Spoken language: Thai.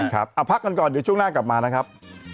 ครับเอาพักกันก่อนเดี๋ยวช่วงหน้ากลับมานะครับ